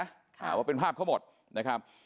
ค่ะว่าเป็นภาพเขาหมดนะครับ